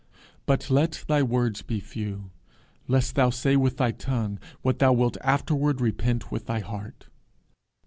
But let thy words be few, lest thou say with thy tongue what thou wilt afterward repent with thy heart.